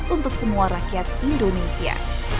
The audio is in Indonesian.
untuk semua rakyat indonesia